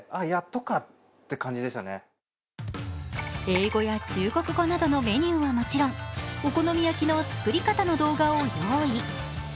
英語や中国語などのメニューはもちろんお好み焼きの作り方の動画を用意。